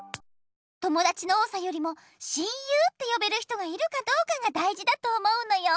ともだちの多さよりも親友ってよべる人がいるかどうかがだいじだと思うのよ。